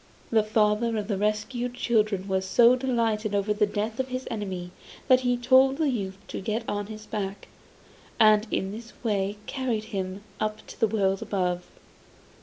The father of the rescued children was so delighted over the death of his enemy that he told the youth to get on his back, and in this way he carried him up to the world above.